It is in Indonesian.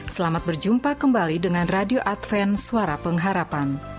selamat berjumpa kembali dengan radio adven suara pengharapan